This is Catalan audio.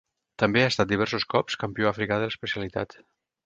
També ha estat diversos cops campió africà de l'especialitat.